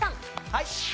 はい。